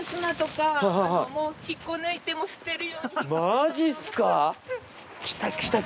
マジっすか！